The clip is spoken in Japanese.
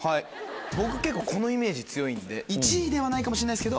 僕結構このイメージ強いんで１位ではないかもしれないけど。